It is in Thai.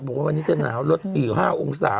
บอกว่าวันนี้จะหนาวลด๔๕องศา